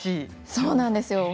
そうなんですよ。